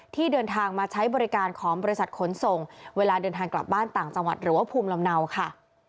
ที่เดินทางมาใช้บริการของบริษัทขนส่งเวลาเดินทางกลับบ้านต่างจังหวัดหรือว่าภูมิลำเนาค่ะ